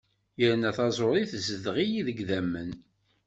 Yerna taẓuri tezdeɣ-iyi deg yidammen.